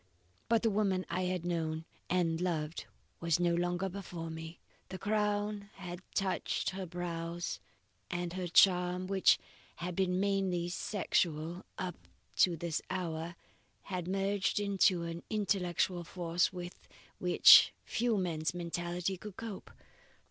"But the woman I had known and loved was no longer before me. The crown had touched her brows, and her charm which had been mainly sexual up to this hour had merged into an intellectual force, with which few men's mentality could cope.